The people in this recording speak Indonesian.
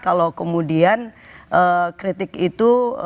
kalau kemudian kritik itu